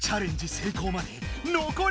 成功までのこり